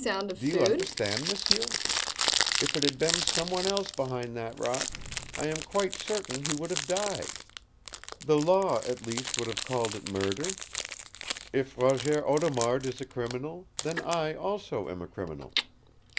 Do you understand, m'sieu? If it had been some one else behind that rock, I am quite certain he would have died. The Law, at least, would have called it murder. If Roger Audemard is a criminal, then I also am a criminal.